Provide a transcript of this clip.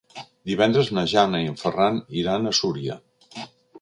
Divendres na Jana i en Ferran iran a Súria.